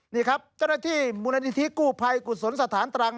นี่ครับเจ้าหน้าที่มูลนิธิกู้ภัยกุศลสถานตรัง